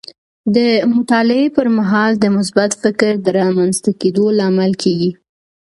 د مطالعې پر مهال د مثبت فکر د رامنځته کیدو لامل کیږي.